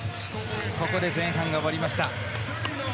ここで前半が終わりました。